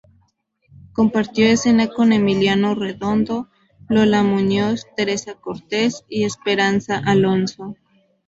Compartió escena con Emiliano Redondo, Lola Muñoz, Teresa Cortes y Esperanza Alonso.